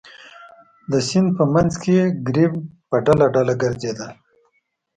د سیند په منځ کې ګرېب په ډله ډله ګرځېدل.